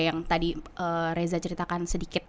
yang tadi reza ceritakan sedikit